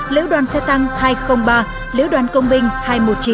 lữ đoàn xe tăng hai trăm linh ba lữ đoàn công binh hai trăm một mươi chín